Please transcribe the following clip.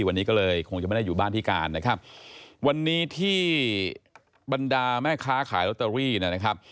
ในบรรดาแม่ค้าขายโลตเตอรี่นะครับ